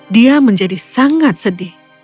dia menjadi sangat sedih